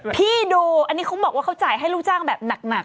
ดูอันนี้เขาบอกว่าเขาจ่ายให้ลูกจ้างแบบหนัก